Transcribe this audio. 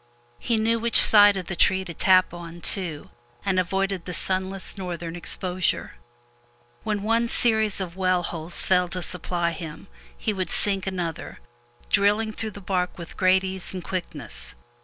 He knew which side of the tree to tap, too, and avoided the sunless northern exposure. When one series of well holes failed to supply him, he would sink another, drilling through the bark with great ease and quickness.